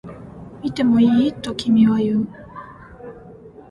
見てもいい？と君は言う